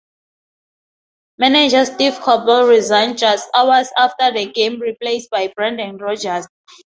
Manager Steve Coppell resigned just hours after the game, replaced by Brendan Rodgers.